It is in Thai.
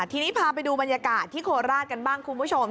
ทีนี้พาไปดูบรรยากาศที่โคราชกันบ้างคุณผู้ชม